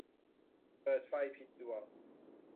เปิดไฟผิดดวง